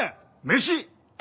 飯。